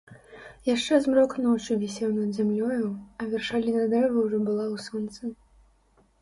Яшчэ змрок ночы вісеў над зямлёю, а вяршаліна дрэва ўжо была ў сонцы.